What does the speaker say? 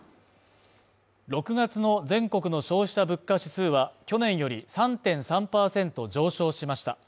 ６月の全国の消費者物価指数は、去年より３．３％上昇しました。